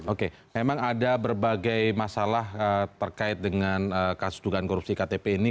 oke memang ada berbagai masalah terkait dengan kasus dugaan korupsi ktp ini